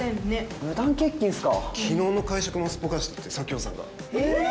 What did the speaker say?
無断欠勤っすか昨日の会食もすっぽかしたって佐京さええー？